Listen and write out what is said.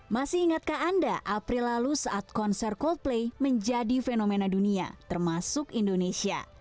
masih ingatkah anda april lalu saat konser coldplay menjadi fenomena dunia termasuk indonesia